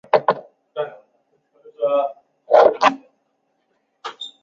玛丽亚普法尔是奥地利萨尔茨堡州隆高县的一个市镇。